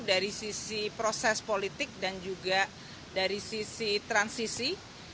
dari sisi proses politik dan juga dari sisi transisi